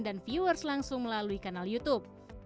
dan viewers langsung melalui kanal youtube